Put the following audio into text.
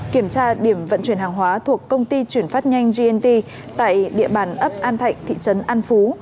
kiểm tra điểm vận chuyển hàng hóa thuộc công ty chuyển phát nhanh gnt tại địa bàn ấp an thạnh thị trấn an phú